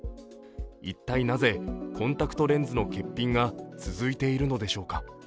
一体なぜ、コンタクトレンズの欠品が続いているのでしょうか。